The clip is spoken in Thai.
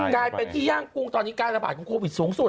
กลายเป็นที่ย่างกุ้งตอนนี้การระบาดของโควิดสูงสุด